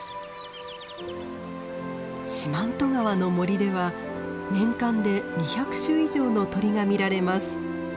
四万十川の森では年間で２００種以上の鳥が見られます。